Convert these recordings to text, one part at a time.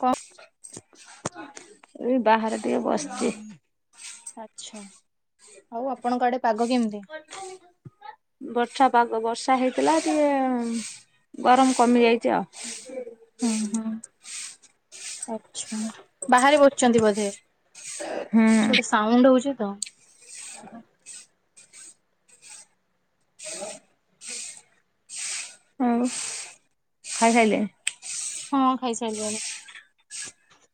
କ ଏଇ ବାହାରେ ଟିକେ ବସିଛି ଆଚ୍ଛା ଆଉ ଆପଣଙ୍କ ଆଡେ ପାଗ କେମିତି ବର୍ଷା ପାଗ ବର୍ଷା ହେଇଥିଲା ଟିକେ ଗରମ କମିଯାଇଛି ଆଉ ହୁଁ ହୁଁ ଆଛା ବାହାରେ ବସୁଛନ୍ତି ବୋଧେ କିଛି ଗୋଟେ ହୁଁ ସାଉଣ୍ଡ ହଉଛି ତ ଖାଇ ଖାଇଲେ ହଁ ଖାଇସାରିଲାଣି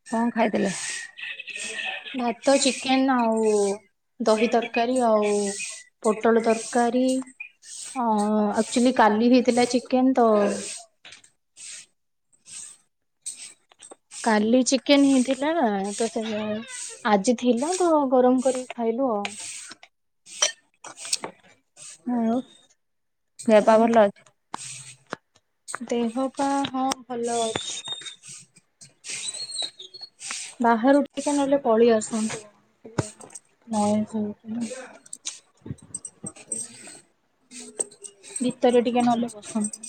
କଣ ଖାଇଦଲେ ଭାତ ଚିକେନ୍ ଆଉ ସେ ଦହି ତରକାରୀ ଆଉ ହଁ ଆକ୍ଚୁଲି କାଲି ହେଇଥିଲା ଚିକେନ ତ କାଲି ଚିକେନ ହେଇଥିଲା ନା ତ ସେ ଆଜି ଥିଲା ତ ଗରମ କରିକି ଖାଇଲୁ ଆଉ ଆଉଉ ହଁ। ସେପ ଭଲ ଅଛି ଦେହ ପା ହଁ ଭଲ ଅଛି [unintelligible] ବାହାରୁ ଟିକେ ନହେଲେ ପଳେଇ ଆସନ୍ତୁ ନସ ହଉ ଭିତରେ ଟିକେ ନହଲେ ବସନ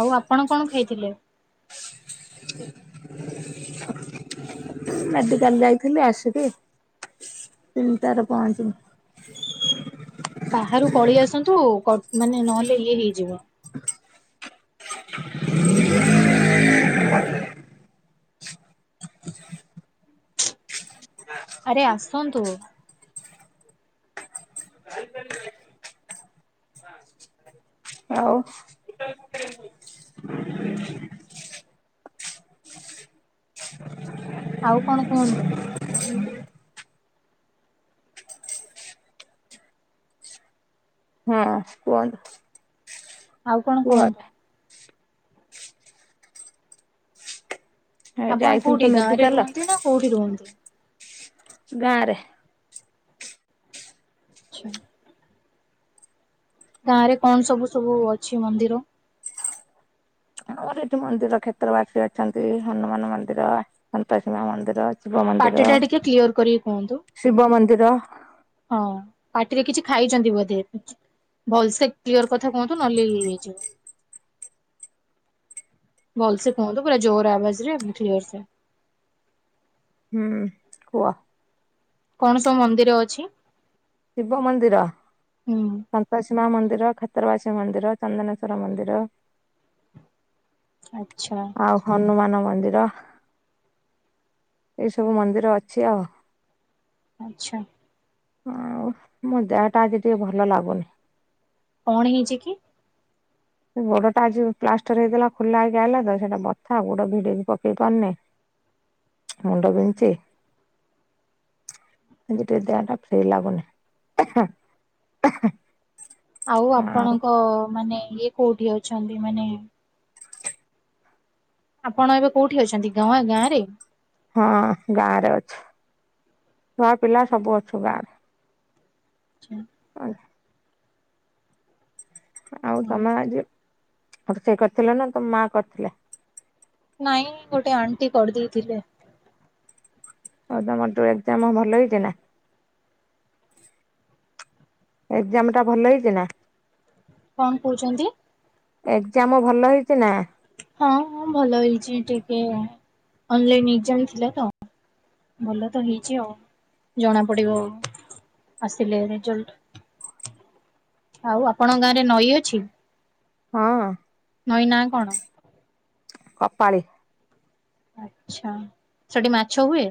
ଆଉ ଆପଣ କଣ ଖାଇଥିଲେ [unintelligible] ମେଡିକାଲ ଯାଇଥିଲି ଆସିକି ତିନିଟାରେ ପହଞ୍ଚିବି ବାହାରୁ ପଳେଇ ଆସନ୍ତୁ ମାନେ ନହେଲେ ଇଏ ହେଇଯିବ ହ ଆରେ ଆସନ୍ତୁ କଲି କ ହଉ ଆଉ କଣ କୁହନ୍ତୁ ହଁ କୁହନ୍ତୁ? ଆଉ କଣ କୁହ କୁହନ୍ତୁ? ଏ ଆପଣ ଯାଇଥିଲି ତ କୋଉଠି ଗାଁ ରେ ମେଡିକାଲ ରୁହନ୍ତି ନା କୋଉଠି ରୁହନ୍ତି? ଘରେ। ଆଚ୍ଛା। ଗାଁ ରେ କଣ ସବୁ ସବୁ ଅଛି ମନ୍ଦିର? ର ଏଠି ମନ୍ଦିର କ୍ଷେତ୍ର ବାସୀ ଅଛନ୍ତି ହନୁମାନ ମନ୍ଦିର ସନ୍ତସିମା ମନ୍ଦିର। ଶିବ ପାଟି ମନ୍ଦିର ଟା ଟିକେ କ୍ଲିୟର କରିକି କୁହନ୍ତୁ ଶିବ ମନ୍ଦିର। ହଁ ପାଟିରେ କିଛି ଖାଇଛନ୍ତି ବୋଧେ? ଭଲ ସେ କ୍ଲିୟର କଥା କୁହନ୍ତୁ ନହଲେ ହେଇଯାଇଯିବ। ଭଲସ କୁହନ୍ତୁ ପୁରା ଜୋର ଆବାଜରେ୍ୟରସେ। ହୁଁ କୁହ? କଣ ସବୁ ମନ୍ଦିର ଅଛି? ଶିବ ମନ୍ଦିର ହୁଁ କଶିମା ମନ୍ଦିର ଖତରବାସୀ ମନ୍ଦିର ଚନ୍ଦନେଶ୍ୱର ମନ୍ଦିର। ଆଚ୍ଛା। ଆଉ ହନୁମାନ ମନ୍ଦିର ଏଇସବୁ ମନ୍ଦିର ଅଛି ଆଉ। ଆଚ୍ଛା। ଆଉ ମୋ ଦେହ ଟା ଆଜି ଟିକେ ଭଲ ଲାଗୁନି। କଣ ହେଇଛି କି? ସେ ଗୋଡ ଟା ଆଜି ପ୍ଲାଷ୍ଟର ହେଇଗଲା ଖୋଲା ହେଇକି ଆଲା ତ ସେଟା ବଥା ଗୋଡ ଭିଡିକି ପକେଇକ ପାରୁନି। ମୁଣ୍ଡ ବିଞ୍ଚି ଆଜିଟ ଦେହ ଟା ଫ୍ରେ ଲାଗୁନି। [unintelligible] ଆଉ ଆପଣଙ୍କ ମାନେ ଇଏ କୋଉଠି ଅଛନ୍ତି ମାନେ? ଆପଣ ଏବେ କୋଉଠି ଅଛନ୍ତି ଗାଁ ଗାଁ ରେ? ହଁ ଗାଁ ରେ ଅଛ ଛୁଆ ପିଲା ସବୁ ଅଛୁ ଗାଁ ରେ। ଆଛା। ଆଉ ତମେ ଆଜି ରୋଷେଇ କରିଥିଲ ନା ତମ ମା କରିଥିଲେ? ନାଇଁ ଗୋଟେ ଆଣ୍ଟି କରିଦେଇଥିଲେ। ଦ ମ ଏଜାମ ଭଲ ହେଇଛି ନା? ଏକଜାମ ଟା ଭଲ ହେଇଛି ନା? କଣ କହୁଛନ୍ତି? ଏକଜାମ ଭଲ ହେଇଛି ନା? ହଁଁ ଭଲ ହେଇଛି ଟିକେ ଅନଲାଇନ ଏନଜାମ ଥିଲା ତ। ଭଲ ତ ହେଇଛି ଆଉ ଜଣା ପଡିବ। ଆସିଲେ ଆଉ ଆପଣଙ୍କ ଗାଁରେ ନଈ ଅଛି? ହଁ। ନଈ ନା କଣ? କପାଳି। ଆଛା ସେଠି ମାଛ ହୁଏ?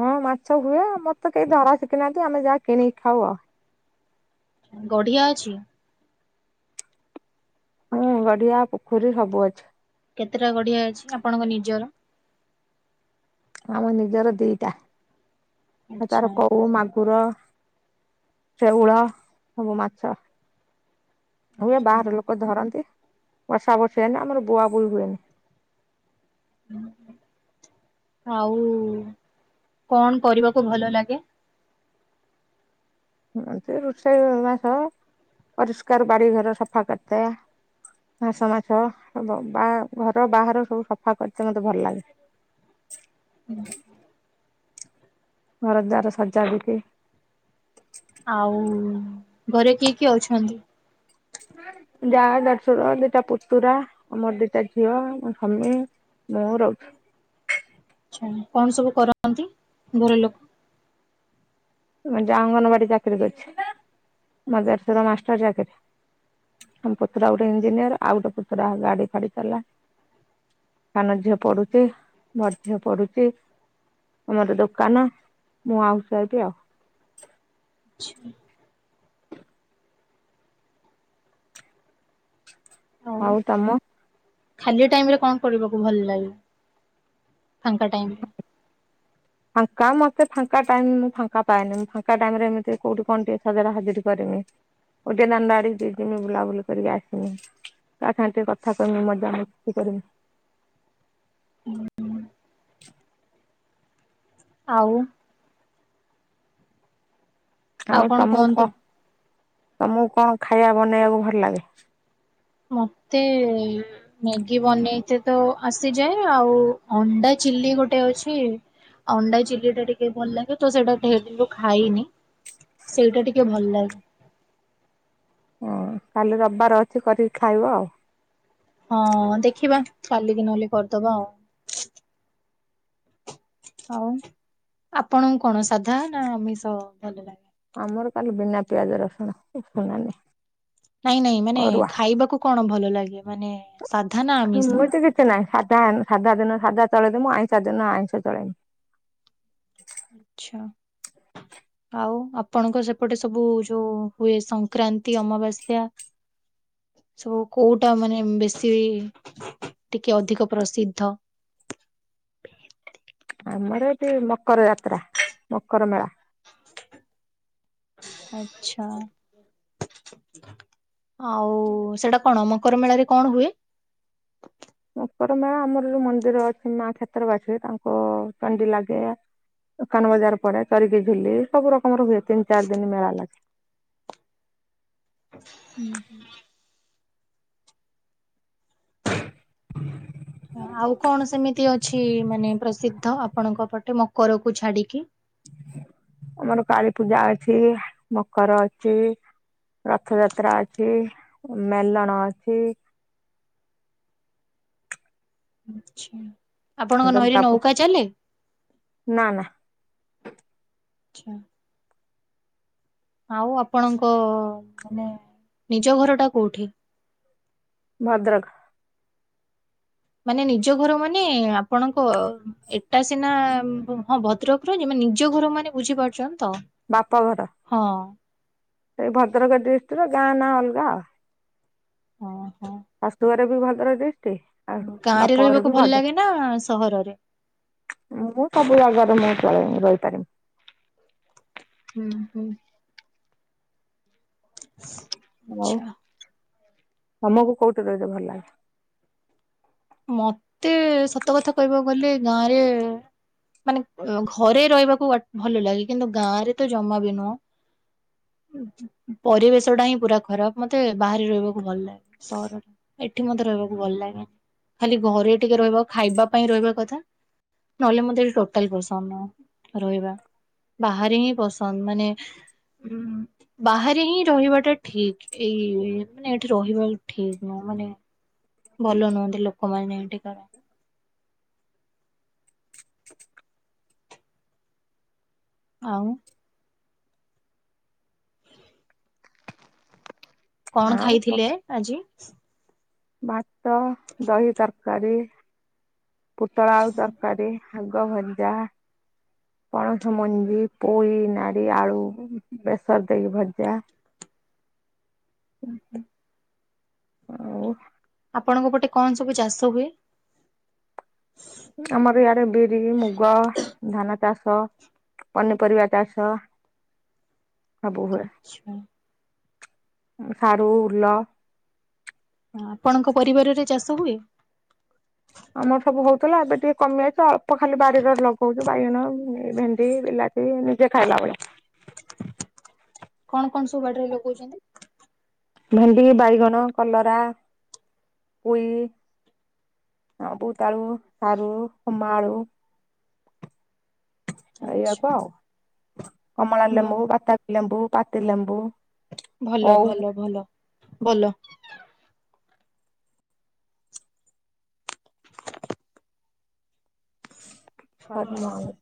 ହଁ ମାଛ ହୁଏ ଆଉ ମତେ କେହି ଧରା ଶିଖିନାହାନ୍ତି ଆମେ ଯାହା କିଣିକି ଖାଉ ଆଉ। ଗଢିଆ ଅଛି? ହଁ ଗଡିଆ ପୋଖରୀ ସବୁ ଅଛି। କେତେଟା ଗଢିଆ ଅଛି ଆପଣଙ୍କ ନିଜର? ଆମ ନିଜର ଦିଟା ଆଚ୍ଛା ତାର ଆଚ୍ଛା। କଉ ମାଗୁର ଶେଉଳ ସବୁ ମାଛ ହୁଏ ବାହାର ଲୋକ ଲୋକ ଧରନ୍ତି ବର୍ଷା ବର୍ଷା ହୁନି ଆମର ବୁଆ ବୁଇ ହୁଏନି। ଆଉ କଣ କରିବାକୁ ଭଲ ଲାଗେ? ଏ ରୋଷେଇ ମାସ ପରିଷ୍କାର ବାାରଘର ସଫା କରିଥାଏ ଘାସ ମାଛ ବା ଘର ବାହାର ସବୁ ସଫା କରିଛେ ମତେ ଭଲ ଲାଗେ। ହୁଁ। ଘରଦ୍ୱାର ସଜା ବିଛି ଆଉ ଘରେ କିଏ କିଏ ଅଛନ୍ତି? ଯା ଦେଢଶୁର ଦିଟା ପୁତୁରା ଆ ମୋର ଦିଟା ଝିଅ ମୋ ସାମୀ। ମୋର ଆଚ୍ଛା କଣ ସବୁ କରନ୍ତି ଘର ଲୋକ? ମୋ ଜା ଅଙ୍ଗନବାଡ଼ି ଚାକିରି କରିଛି ମଦେଢୁଶୁର ମାଷ୍ଟର ଚାକିରି ଆଉ ପୁତୁରା ଗୋଟେ ଇଞ୍ଜିନିୟର ଆଉ ଗୋଟେ ପୁତୁରା ଗାଡ଼ି ଫାଡ଼ି ଚଲା ସାନ ଝିଅ ପଡ଼ୁଚି ବଡ଼ ଝିଅ ପଡ଼ୁଚି ଆମର ଦୋକାନ ମୁଁ ହାଉସ୍ ୱାଇଫ୍ ଆଉ। ଆଚ୍ଛା। ଆଉ ତମ ଖାଲି ଟାଇମ୍ ରେ କଣ କରିବାକୁ ଭଲ ଲାଗେ ଫାଙ୍କା ଟାଇମ୍? ଫାଙ୍କା ମତେ ଫାଙ୍କା ଟାଇମ୍ ମୁଁ ଫାଙ୍କାପାଏନି ମୁ ଫାଙ୍କା ଟାଇମ୍ ରେ ଏମିତି କୋଉଠି କଣ ଟିକେ ସଜଢ଼ା ସଜଢ଼ି କରେ କୋଉଟିକେ ଦାଣ୍ଡା ଆଢିକି ଟିକେ ଜିମି ବୁଲାବୁଲି କରିକି ଆସିମି। କାସାଙ୍ଗରେ ଟିକେ କଥା କଇମି ମଜାମସ୍ତି କରିମି। ଆଉ। ଆଉ କଣ ତମକୁ କ କୁହନ୍ତୁ? ତମକୁ କଣ ଖାଇବା ବନେଇବାକୁ ଭଲ ଲାଗେ? ମତେ ମ୍ୟାଗି ବନେଇତେତ ଆସିଯାଏ ଆଉ ଅଣ୍ଡା ଚିଲି ଗୋଟେ ଅଛି ଆଉ ଅଣ୍ଡା ଚିଲିଟା ଟିକେ ଭଲ ଲାଗେ ତ ସେଇଟା ଢେରେଦନ୍ଲ୍ ଖାଇନି ସେଇଟା ଟିକେ ଭଲ ଲାଗେ। ହଁ କାଲି ରବିବାର ଅଛି କରିକି ଖାଇବ ଆଉ? ହଁ ଦେଖିବା କାଲିିକି ନହେଲେ କରିଦବା ଆଉ। ଆଉ ଆପଣଙ୍କୁ କଣ ସାଧା ନା ଆମିଷ ଭଲ ଲାଗେ? ଆମର କାଲି ବିନା ପିଆଜ ରସୁଣ ଶୁଣାନି। ନାଇଁ ନାଇଁ ମାନେ ଖାଇବାକୁ କଣ ଭଲ ଲାଗେ ମାନେ ସାଧା ନା ଆମିଷ? ସେମିତି ନାଇଁ ସାଧା ସାଧା ଦିନ ସାଧା ଚଳେଇଦମୁ ଆଇଁଷ ଦିନ ଆଇଁଷ ଚଳେଇମୁ। ଆଚ୍ଛା। ଆଉ ଆପଣଙ୍କ ସେପଟେ ସବୁ ଯୋଉ ହୁଏ ସଂକ୍ରାନ୍ତି ଅମାବାସ୍ୟା [inaudible] ସବୁ କୋଉଟା ମାନେ ବେଶୀ ଟିକେ ଅଧିକ ପ୍ରସିଦ୍ଧ? ଆମର ଏଠି ମକର ଯାତ୍ରା ମକର ମେଳା। ଆଚ୍ଛା। ଆଉ ସେଟା କଣ ମକର ମେଳାରେ କଣ ହୁଏ? ମଙ୍କରମାଳା ଆମର ଯୋଉ ମନ୍ଦିର ଅଛି ମା କ୍ଷେତ୍ର ବାସୀ ତାଙ୍କ ଚଣ୍ଡି ଲାଗେ। ଦୋକାନ ବଜାର ପଡ଼େ ଚରିକି ଝୁଲି ସବୁ ରକମ ର ହୁଏ ତିନି ଚାରି ଦିନ ମେଳା ଲାଗେ। ଉଁ ହୁଁ। ଆଉ କଣ ସେମିତି ଅଛି ମାନେ ପ୍ରସିଦ୍ଧ ଆପଣଙ୍କ ପଟେ ମକରକୁ ଛାଡ଼ିକି? ଆମର କାଳୀ ପୂଜା ଅଛି ମକର ଅଛି। ରଥଯାତ୍ରା ଅଛି ମେଲଣ ଅଛି। ଆଚ୍ଛା। ଆପଣଙ୍କ ନଈରେ ନୌକା [unintelligible] ଚାଲେ? ନା ନା। ଆଚ୍ଛା। ଆଉ ଆପଣଙ୍କ ମାନେ ନିଜ ଘର ଟା କୋଉଠି? ଭଦ୍ରକ। ମାନେ ନିଜ ଘର ମାନେ ଆପଣଙ୍କ ଏଟା ସିନା ହଁ ଭଦ୍ରକ [unintelligible] ନିଜ ଘର ମାନେ ବୁଝିପାରୁଛଛନ୍ତି ତ। ବାପଘର। ହଁ। ସେଇ ଭଦ୍ରକ ଡିଷ୍ଟିର ଗାଁ ନାଁ ଅଲଗା। ହଁ ହଁ। ଶାଶୁ ଘରେ ବି ଭଲ ର ଦିଷ୍ଟି ଗାଁରେ ରହିବାକୁ ଭଲ ଲାଗେ ନା ସହରରେ ମୁଁ ସବୁ ଜାଗାରେ ମୁଁ ଚେଇ ରହିପାରିମି ହୁଁ ହୁଁ ହଁ ହଉ ତମକୁ କୋଉଠି ରହିବେ ଭଲ ଲାଗେ ମତେ ସତ କଥା କହିବାକୁ ଗଲେ ଗାଁରେ ମାନେ ଘରେ ରହିବାକୁ ଭଲ ଲାଗେ କିନ୍ତୁ ଗାଁ ରେ ତ ଜମା ବି ନୁହଁ ପରିବେଶ ଟା ହିଁ ପୁରା ଖରାପ ମତେ ବାହାରେ ରହିବାକୁ ଭଲ ଲାଗେ ସହରରେ ଏଠି ମତେ ରହିବାକୁ ଭଲ ଲାଗେନି ଖାଲି ଘରେ ଟିକେ ରହିବା ଖାଇବା ପାଇଁ ରହିବା କଥା ନହେଲେ ମତେ ଏ ଟୋଟାଲ ରହିବା ବାହାରେି ହିଁ ପସନ୍ଦ ମାନେ ଉ ବାହାରେ ହିଁ ରହିବାଟା ଠିକ ଏଇ ମାନେ ଏଠି ରହିବା ଠିକ ନହଁ ମାନେ ଭଲ ନୁହନ୍ତି ଲୋକମାନୋନ ଏମଠ କର ଆଉ କଣ ଖାଇଥିଲେ ଆଜି ଭାତ ଦହି ତରକାରୀ ପୋତଳା ଆଉ ତରକାରୀ ଆଗ ଭଜା ପଣସ ମଞ୍ଜି ପୋୋଇ ନାର ଆଳୁ ବେସର ଦେଇକି ଭଜା ହୁ ହ ଓଉ ଆପଣଙ୍କ ପଟେ କଣ ସବୁ ଚାଷ ହୁଏ ଆମର ୟଡ ବିରି ମୁଗ ଧାନ ଚାଷ ପନିପରିବା ଚାଷ ହବୁ ହୁଏ ଆଛା ସାରୁ ଉଲ ଆପଣଙ୍କ ପରିବାରରେ ଚାଷ ହୁଏ ଆମର ସବୁ ହଉଥିଲା ଏବେ ଟିକେ କମି ଆସଛି ଅଳ୍ପ ଖାଲି ବାରିରେ ଲଗଉଛି ବାଇଗଣ ଭେଣ୍ଡି ଇାଚି ସେ ନିଜେ ଖାଇଲା ଆବଳେ କଣ କଣ ସବୁ ବାଡ଼ିରେ ଲଗଉଛନ୍ତି ଭେଣ୍ଡି ବାଇଗଣ କଲରା ପଇ ହଁ ବୁତାଳୁ ସାରୁ କମା ଆଳୁ ଆଛା ରଇଆକୁ ଆଉ କମଳା ଲେମ୍ବୁ ବାତାକ ଲେମ୍ବୁ ପାତି ଲେମ୍ବୁ ଭଲ ଭଲ ଭଲ ଭଲ ଓଉ ସ